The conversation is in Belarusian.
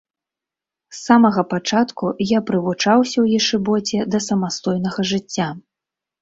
З самага пачатку я прывучаўся ў ешыбоце да самастойнага жыцця.